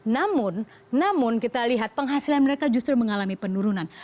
namun namun kita lihat penghasilan mereka justru mengalami penurunan